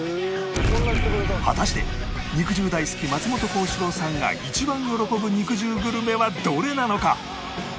果たして肉汁大好き松本幸四郎さんが一番喜ぶ肉汁グルメはどれなのか？